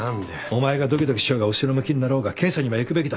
お前がドキドキしようが後ろ向きになろうが検査には行くべきだろ。